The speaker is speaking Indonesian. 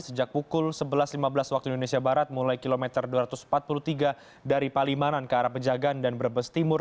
sejak pukul sebelas lima belas waktu indonesia barat mulai kilometer dua ratus empat puluh tiga dari palimanan ke arah pejagaan dan brebes timur